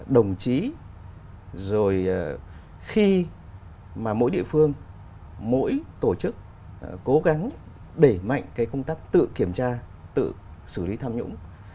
đồng chí rồi khi mà mỗi địa phương mỗi tổ chức cố gắng đẩy mạnh cái công tác tự kiểm tra tự xử lý tham nhũng